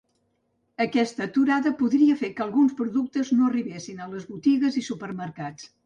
Aquesta aturada podria fer que alguns productes no arribessin a les botigues i supermercats.